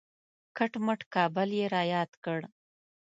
کټ مټ کابل یې را یاد کړ.